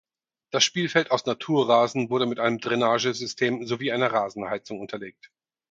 Das Spielfeld aus Naturrasen wurde mit einem Drainage-System sowie einer Rasenheizung unterlegt.